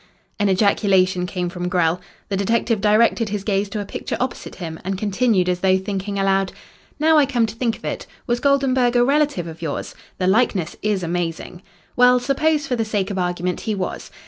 An ejaculation came from Grell. The detective directed his gaze to a picture opposite him, and continued, as though thinking aloud "Now I come to think of it, was Goldenburg a relative of yours? The likeness is amazing. Well, suppose, for the sake of argument, he was.